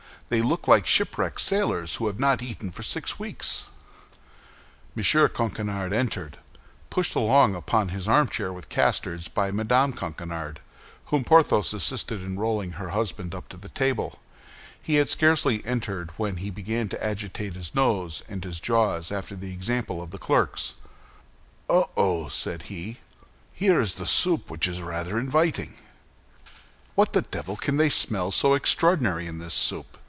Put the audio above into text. They look like shipwrecked sailors who have not eaten for six weeks." M. Coquenard entered, pushed along upon his armchair with casters by Mme. Coquenard, whom Porthos assisted in rolling her husband up to the table. He had scarcely entered when he began to agitate his nose and his jaws after the example of his clerks. "Oh, oh!" said he; "here is a soup which is rather inviting." "What the devil can they smell so extraordinary in this soup?"